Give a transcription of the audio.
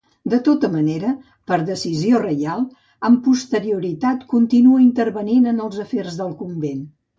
De tota manera, per decisió reial, amb posterioritat continua intervenint en els afers del convent.